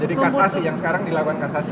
jadi kasasi yang sekarang dilakukan kasasi